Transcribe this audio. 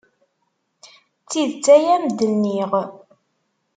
D tidet ay am-d-nniɣ.